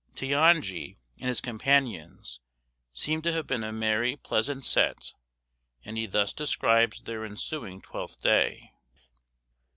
Teonge and his companions seem to have been a merry, pleasant set, and he thus describes their ensuing Twelfth Day.